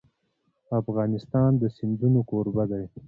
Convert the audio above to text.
افغانستان د سیندونه کوربه دی.